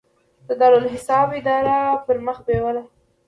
د دارالاحساب اداره پرمخ بیوله.